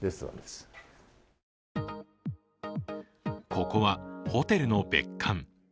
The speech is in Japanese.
ここはホテルの別館。